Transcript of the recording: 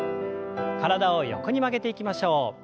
体を横に曲げていきましょう。